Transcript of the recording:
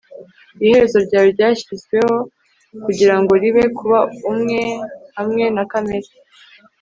iherezo ryawe ryashizweho kugirango ribe, kuba umwe hamwe na kamere